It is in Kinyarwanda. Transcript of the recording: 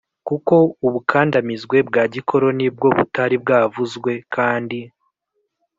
Kuko ubukandamizwe bwa gikoroni bwo butari bwavuzwe kandi